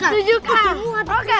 itu muat kan